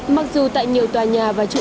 mặc dù tại nhiều tòa nhà và chủ yếu